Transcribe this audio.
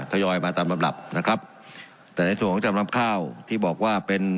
ทยอยมาตามลำดับนะครับแต่ในส่วนของจำนำข้าวที่บอกว่าเป็น